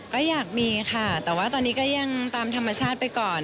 ก็อยากมีค่ะแต่ว่าตอนนี้ก็ยังตามธรรมชาติไปก่อน